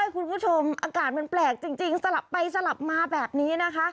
คุณผู้ชมอากาศมันแปลกจริงสลับไปสลับมาแบบนี้นะคะ